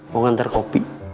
mau ngantar kopi